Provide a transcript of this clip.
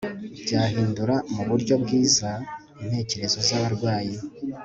byahindura mu buryo bwiza intekerezo zabarwayi